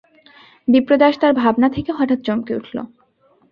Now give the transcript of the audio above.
বিপ্রদাস তার ভাবনা থেকে হঠাৎ চমকে উঠল।